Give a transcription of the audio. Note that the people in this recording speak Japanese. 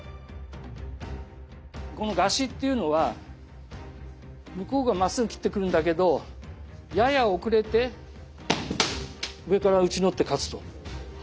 この合撃っていうのは向こうがまっすぐ斬ってくるんだけどやや遅れて上から打ち取って勝つと。は。